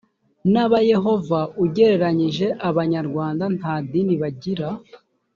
n abayehova ugereranyije abanyarwanda nta dini bagira